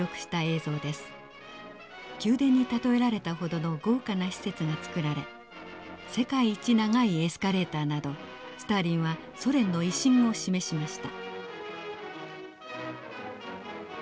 宮殿に例えられたほどの豪華な施設が作られ世界一長いエスカレーターなどスターリンはソ連の威信を示しました。